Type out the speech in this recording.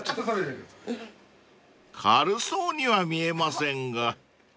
［軽そうには見えませんが］